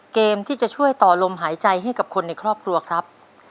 เกมที่จะช่วยต่อลมหายใจให้กับคนในครอบครัวครับ